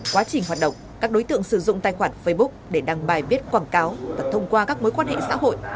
quá trình hoạt động các đối tượng sử dụng tài khoản facebook để đăng bài viết quảng cáo và thông qua các mối quan hệ xã hội